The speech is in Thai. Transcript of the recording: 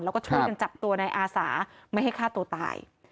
แล้วก็ช่วยกันจับตัวในอาสาไม่ให้ฆ่าตัวตาย